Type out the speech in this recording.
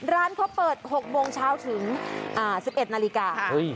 ร้านเขาเปิดหกโมงเช้าถึงอ่าสิบเอ็ดนาฬิกาค่ะเฮ้ย